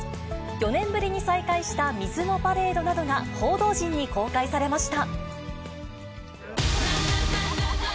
４年ぶりに再開した水のパレードなどが報道陣に公開されました。